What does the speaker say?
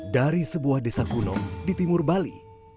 dari sebuah desa gunung di timur bali